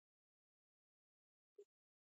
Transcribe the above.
No releases took place during this period.